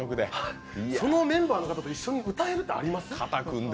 そのメンバーの方と一緒に歌えるってあります？